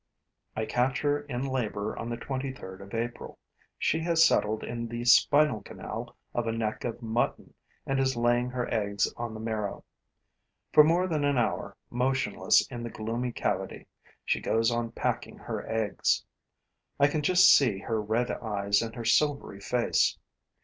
I catch her in labor on the 23rd of April. She has settled in the spinal canal of a neck of mutton and is laying her eggs on the marrow. For more than an hour, motionless in the gloomy cavity, she goes on packing her eggs. I can just see her red eyes and her silvery face.